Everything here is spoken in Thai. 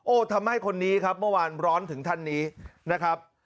ทำให้คนนี้ครับเมื่อวานร้อนถึงท่านนี้นะครับ